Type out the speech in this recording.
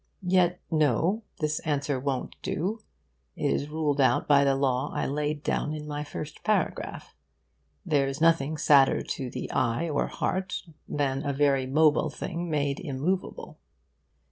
Yet no, this answer won't do. It is ruled out by the law I laid down in my first paragraph. There's nothing sadder to eye or heart than a very mobile thing made immovable.